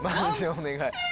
お願い。